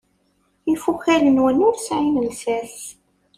Ifukal-nwen ur sɛin llsas.